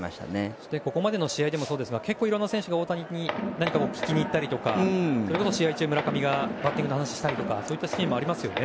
そしてここまでの試合でもそうですが結構いろんな選手が大谷に何かを聞きに行ったり試合中、村上がバッティングの話をしたりというシーンがありましたね。